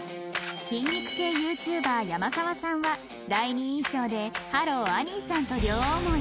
筋肉系 ＹｏｕＴｕｂｅｒ 山澤さんは第二印象ではろーあにーさんと両思い